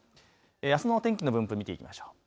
あすの天気の分布見ていきましょう。